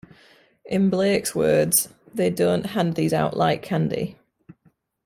In Blake's words, They don't hand these out like candy.